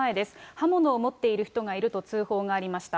刃物を持っている人がいると通報がありました。